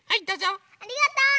ありがとう！